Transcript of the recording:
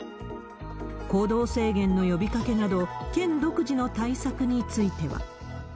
行動制限の呼びかけなど、県独自の対策については。